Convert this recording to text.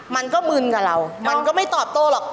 มันก็มึนกับเรามันก็ไม่ตอบโต้หรอก